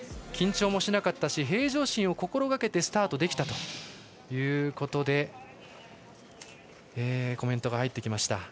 緊張もしなかったし平常心を心がけてスタートできたというコメントが入ってきました。